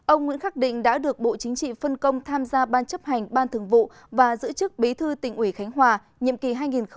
ông nguyễn khắc định đã được bộ chính trị phân công tham gia ban chấp hành ban thường vụ và giữ chức bí thư tỉnh ủy khánh hòa nhiệm kỳ hai nghìn một mươi năm hai nghìn hai mươi